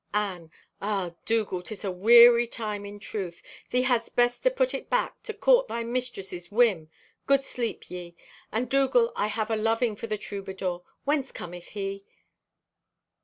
Anne.—"Ah, Dougal, 'tis a weary time, in truth. Thee hadst best to put it back, to court thy mistress' whim. Good sleep, ye! And Dougal, I have a loving for the troubadour. Whence cometh he?"